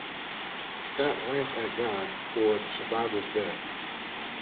Scott rants at God for the survivors' deaths.